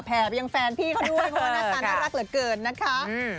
ไปยังแฟนพี่เขาด้วยเพราะว่าหน้าตาน่ารักเหลือเกินนะคะ